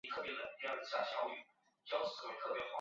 汶川金盏苣苔为苦苣苔科金盏苣苔属下的一个变种。